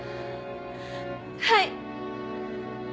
はい！